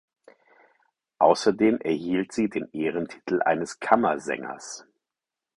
Außerdem erhielt sie den Ehrentitel eines Kammersängers.